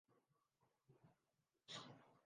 عملا انہیں کر دیا گیا ہے۔